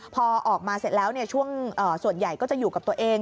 พอออกมาเสร็จแล้วช่วงส่วนใหญ่ก็จะอยู่กับตัวเอง